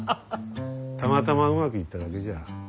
たまたまうまくいっただけじゃ。